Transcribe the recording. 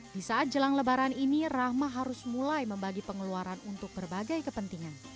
di saat jelang lebaran ini rahma harus mulai membagi pengeluaran untuk berbagai kepentingan